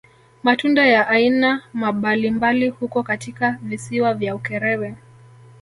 Matunda ya aina mabalimbali huko katika visiwa vya Ukerewe